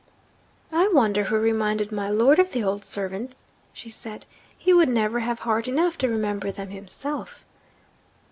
'I wonder who reminded my lord of the old servants?' she said. 'He would never have heart enough to remember them himself!'